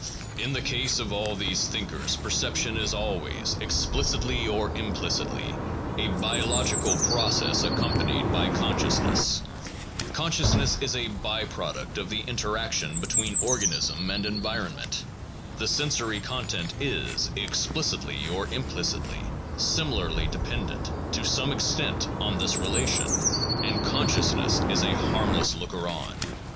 In the case of all these thinkers, perception is always, explicitly or implicitly, a biological process accompanied by consciousness; consciousness is a by product of the interaction between organism and environment; the sensory content is, explicitly or implicitly, similarly dependent, to some extent, on this relation; and con sciousness is a harmless looker on.